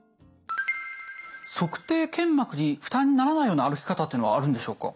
足底腱膜に負担にならないような歩き方っていうのはあるんでしょうか？